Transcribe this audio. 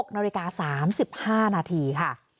๖นาฬิกา๓๕นาทีค่ะ